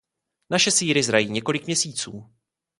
Naše sýry zrají několik měsíců.